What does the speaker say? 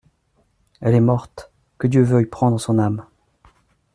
Elle est morte ; que Dieu veuille prendre son âme !